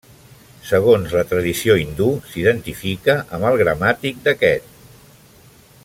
Segons la tradició hindú, s'identifica amb el gramàtic d'aquest.